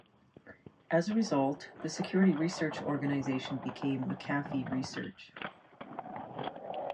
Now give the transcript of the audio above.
As a result, the security research organization became McAfee Research.